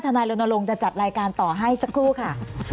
นายรณรงค์จะจัดรายการต่อให้สักครู่ค่ะ